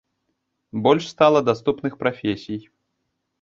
Больш стала даступных прафесій.